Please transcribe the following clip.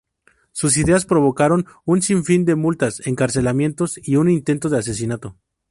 Sus ideas provocaron un sinfín de multas, encarcelamientos y un intento de asesinato.